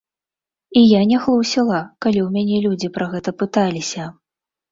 І я не хлусіла, калі ў мяне людзі пра гэта пыталіся.